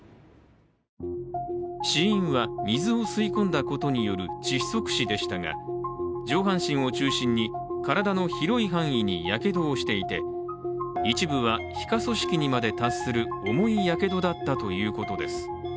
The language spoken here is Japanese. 死因は水を吸い込んだことによる窒息死でしたが、上半身を中心に、体の広い範囲にやけどをしていて一部は皮下組織にまで達する重いやけどだったということです。